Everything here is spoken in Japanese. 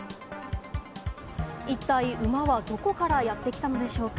一体、馬はどこからやって来たのでしょうか？